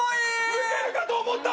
抜けるかと思った！